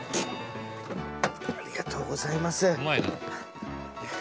ありがとうございます。